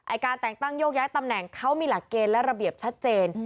การแต่งตั้งโยกย้ายตำแหน่งเขามีหลักเกณฑ์และระเบียบชัดเจน